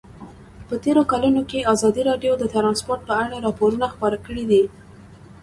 په تېرو کلونو کې ازادي راډیو د ترانسپورټ په اړه راپورونه خپاره کړي دي.